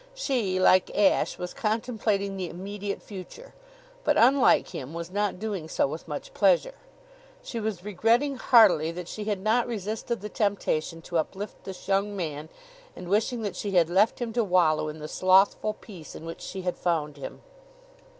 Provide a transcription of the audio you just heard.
She, like Ashe, was contemplating the immediate future, but, unlike him, was not doing so with much pleasure. She was regretting heartily that she had not resisted the temptation to uplift this young man and wishing that she had left him to wallow in the slothful peace in which she had found him.